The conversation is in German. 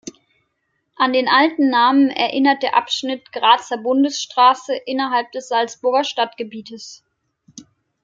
An den alten Namen erinnert der Abschnitt "Grazer Bundesstraße" innerhalb des Salzburger Stadtgebietes.